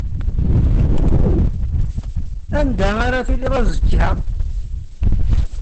Anda ara tiliḍ azekka?